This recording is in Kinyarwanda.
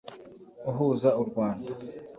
uhuza u Rwanda